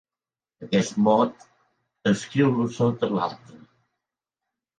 Aquest mot, escriu-lo sota l'altre.